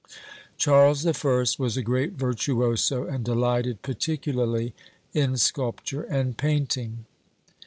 Charles the First was a great virtuoso, and delighted particularly in sculpture and painting."